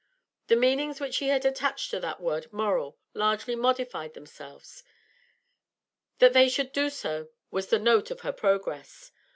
The meanings which she attached to that word 'moral' largely modified themselves, that they should do so was the note of her progress.